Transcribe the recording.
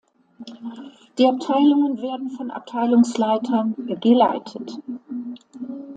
Die Abteilungen werden von Abteilungsleitern geleitet.